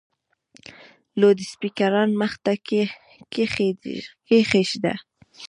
لوډسپیکران مخ ته کښېږده !